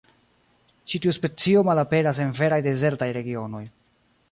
Ĉi tiu specio malaperas en veraj dezertaj regionoj.